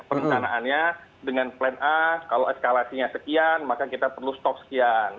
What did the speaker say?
perencanaannya dengan plan a kalau eskalasinya sekian maka kita perlu stok sekian